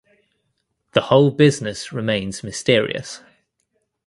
The whole business remains mysterious.